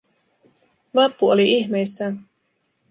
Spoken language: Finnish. Vappu oli ihmeissään.